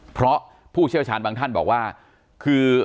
เพราะผู้เชี่ยวชาญบางท่านบอกว่าคือ